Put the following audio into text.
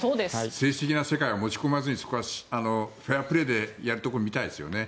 政治的な世界は持ち込まずにそこはフェアプレーでやるところを見たいですよね。